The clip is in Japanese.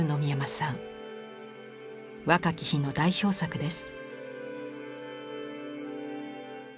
若き日の代表作です。